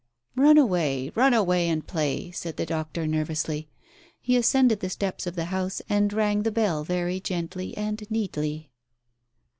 "Run away — run away and play 1 " said the doctor nervously. He ascended the steps of the house, and rang the bell very gently and neatly.